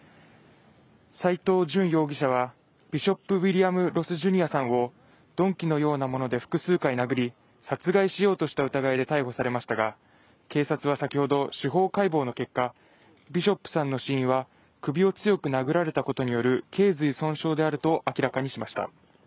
斉藤淳容疑者はビショップ・ウィリアム・ロス・ジュニアさんを鈍器のようなもので複数回殴り殺害しようとした疑いで逮捕されましたが警察は先ほど司法解剖の結果、ビショップさんの死因は首を強く殴られたことによるけい髄損傷であると明らかにしました。